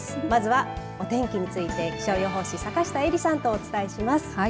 まずはお天気について気象予報士、坂下えりさんとお伝えします。